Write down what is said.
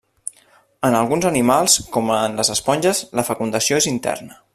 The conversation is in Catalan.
En alguns animals, com en les esponges, la fecundació és interna.